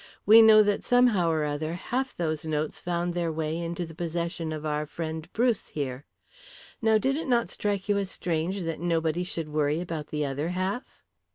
We know that somehow or other half those notes found their way into the possession of our friend Bruce here. Now, did it not strike you as strange that nobody should worry about the other half?"